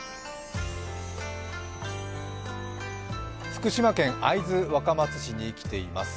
福島県会津若松市に来ています。